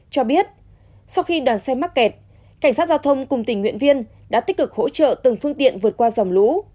cho biết sau khi đoàn xe máy kẹt cảnh sát giao thông cùng tỉnh nguyễn viên đã tích cực hỗ trợ từng phương tiện vượt qua dòng lũ